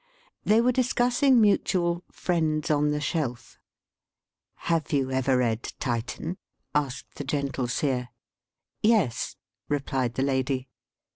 They were discussing mutual " Friends on the Shelf. ''" Have you ever read Titan T ' asked the gentle seer. "Yes," replied the lady.